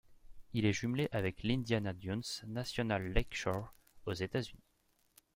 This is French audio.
Il est jumelé avec l'Indiana Dunes National Lakeshore, aux États-Unis.